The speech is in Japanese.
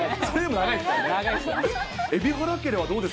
長いです。